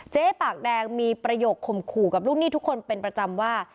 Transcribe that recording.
เจ๊ปากแดงมีประโยคข่มขู่กับลูกหนี้ทุกคนเป็นประจำว่า